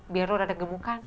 biar lo rada gemukan